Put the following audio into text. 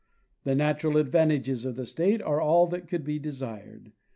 The natural advantages of the state are all that could be desired.